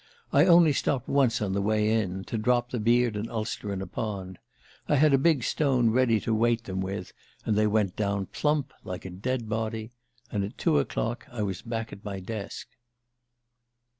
I only stopped once on the way in, to drop the beard and ulster into a pond. I had a big stone ready to weight them with and they went down plump, like a dead body and at two o'clock I was back at my desk."